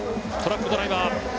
トラックドライバー。